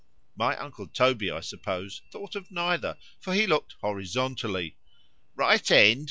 My uncle Toby, I suppose, thought of neither, for he look'd horizontally.—Right end!